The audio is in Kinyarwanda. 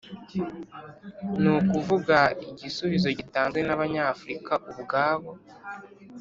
ni ukuvuga igisubizo gitanzwe n'abanyafurika ubwabo.